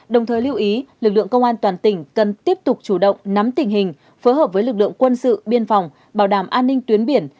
đồng thời lưu ý lực lượng công an toàn tỉnh cần tiếp tục chủ động nắm tình hình phối hợp với lực lượng quân sự biên phòng bảo đảm an ninh tuyến biển